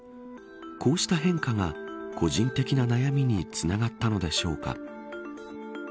こうした変化が個人的な悩みにつながったのでしょうか。